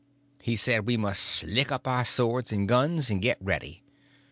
He said we must slick up our swords and guns, and get ready.